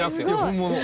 本物。